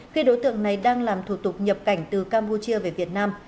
khi đối tượng này đang làm thủ tục nhập cảnh từ campuchia về việt nam